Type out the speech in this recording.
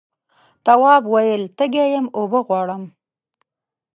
تواب وویل تږی یم اوبه غواړم.